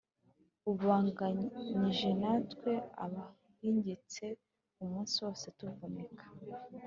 ubanganyije natwe abahingitse umunsi wose tuvunika